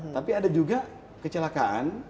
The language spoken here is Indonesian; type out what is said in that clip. tapi ada juga kecelakaan